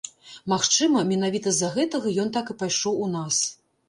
Магчыма, менавіта з-за гэтага ён так і пайшоў у нас.